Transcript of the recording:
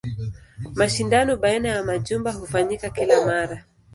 Mashindano baina ya majumba hufanyika kila mara.